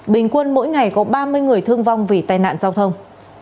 bình quân mỗi ngày có ba mươi người thương vong vì tai nạn giao thông